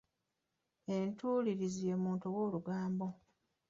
Entuulirizi ye muntu ow'olugambo.